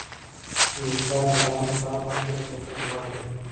د حساب بیلانس په هر وخت کې د کتنې وړ وي.